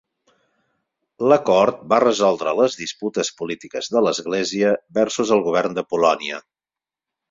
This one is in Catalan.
L'acord va resoldre les disputes polítiques de l'Església versus el govern a Polònia.